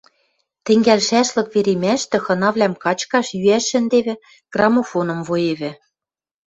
Тӹнгӓлшӓшлык веремӓштӹ хынавлӓм качкаш, йӱӓш шӹндевӹ, граммофоным воевӹ.